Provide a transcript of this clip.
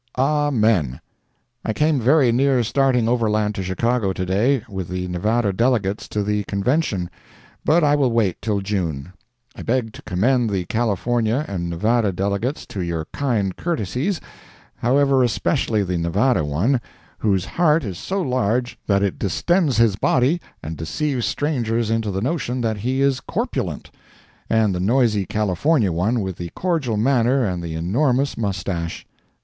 AMEN I came very near starting overland to Chicago to day, with the Nevada delegates to the convention. But I will wait till June. I beg to commend the California and Nevada delegates to your kind courtesies, however especially the Nevada one, whose heart is so large that it distends his body and deceives strangers into the notion that he is corpulent—and the noisy California one with the cordial manner and the enormous moustache.